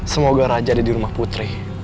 semoga raja ada di rumah putri